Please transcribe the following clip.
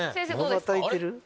まばたいてる？